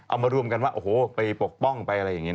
เอามารวมกันว่าโอ้โหไปปกป้องไปอะไรอย่างนี้นะ